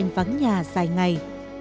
anh vắng nhà dài ngày